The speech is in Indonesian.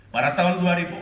pada tahun dua ribu dua